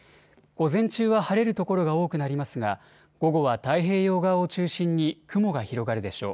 午前中は晴れる所が多くなりますが午後は太平洋側を中心に雲が広がるでしょう。